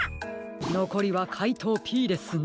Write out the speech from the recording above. のこりはかいとうＰですね。